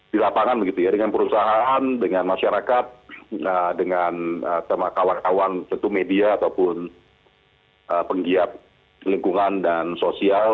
di lapangan begitu ya dengan perusahaan dengan masyarakat dengan kawan kawan tentu media ataupun penggiat lingkungan dan sosial